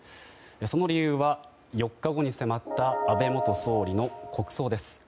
その理由は、４日後に迫った安倍元総理の国葬です。